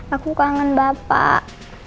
aku kangen bapak